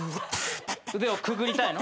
腕をくぐりたいの？